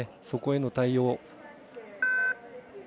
そこへの対応。